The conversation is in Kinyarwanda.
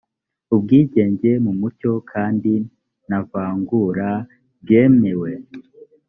ubwigenge mu mucyo kandi nta vangura ryemewe